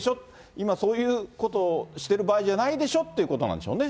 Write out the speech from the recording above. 今、そういうことをしてる場合じゃないでしょってことなんでしょうね。